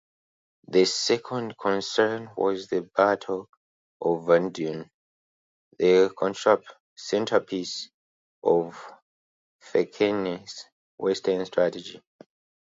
The second concern was the Battle of Verdun, the centrepeice of Falkenhayn's western strategy.